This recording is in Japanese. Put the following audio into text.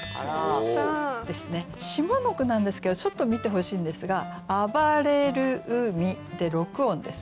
下の句なんですけどちょっと見てほしいんですが「あばれる海」で６音ですね。